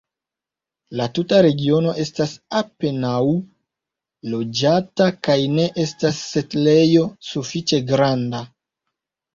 La tuta regiono estas apenaŭ loĝata kaj ne estas setlejo sufiĉe granda.